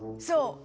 そう！